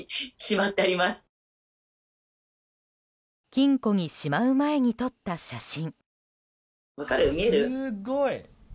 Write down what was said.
金庫にしまう前に撮った写真。